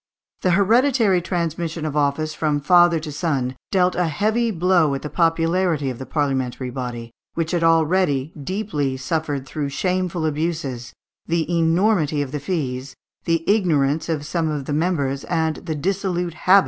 The hereditary transmission of office from father to son dealt a heavy blow at the popularity of the parliamentary body, which had already deeply suffered through shameful abuses, the enormity of the fees, the ignorance of some of the members, and the dissolute habits of many others.